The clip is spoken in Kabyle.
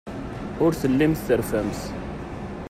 Ur tellimt terfamt.